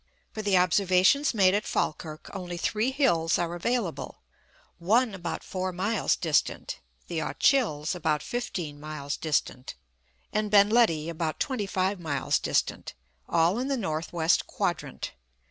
For the observations made at Falkirk, only three hills are available, one about four miles distant, the Ochils about fifteen miles distant, and Ben Ledi about twenty five miles distant all in the north west quadrant.